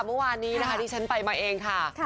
เมื่อวานนี้นะคะที่ฉันไปมาเองค่ะ